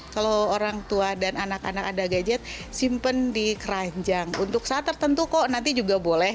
kalau orang tua dan anak anak ada gadget simpen di keranjang untuk saat tertentu kok nanti juga boleh